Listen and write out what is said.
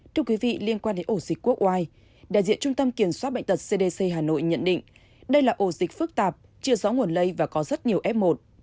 thưa quý vị liên quan đến ổ dịch quốc oai đại diện trung tâm kiểm soát bệnh tật cdc hà nội nhận định đây là ổ dịch phức tạp chưa rõ nguồn lây và có rất nhiều f một